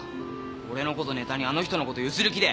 俺のことネタにあの人のこと強請る気で！